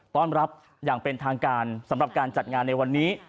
ต้อนรับอย่างเป็นทางการสำหรับการจัดงานในวันนี้